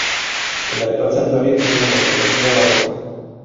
El actual santuario tiene una morfología barroca.